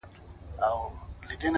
ته ټيک هغه یې خو اروا دي آتشي چیري ده